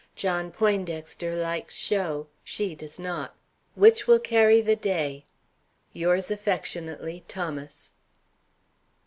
John Poindexter likes show; she does not. Which will carry the day? Yours aff., THOMAS.